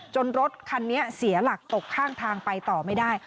รถคันนี้เสียหลักตกข้างทางไปต่อไม่ได้